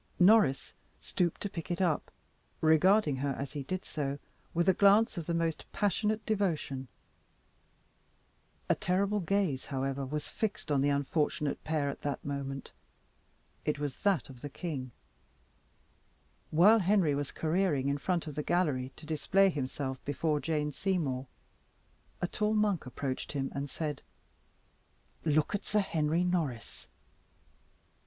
Norris stooped to pick it up, regarding her as he did so with a glance of the most passionate devotion. A terrible gaze, however, was fixed on the unfortunate pair at that moment. It was that of the king. While Henry was careering in front of the gallery to display himself before Jane Seymour, a tall monk approached him, and said, "Look at Sir Henry Norris!"